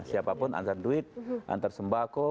siapapun antar duit antar sembako